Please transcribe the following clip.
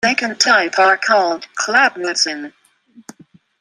The second type are called "klapmutsen".